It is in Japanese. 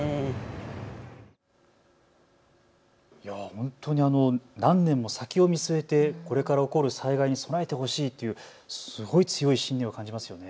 本当に何年も先を見据えてこれから起こる災害に備えてほしいというすごい強い信念を感じますよね。